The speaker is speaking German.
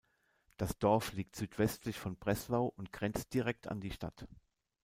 Das Dorf liegt südwestlich von Breslau und grenzt direkt an die Stadt.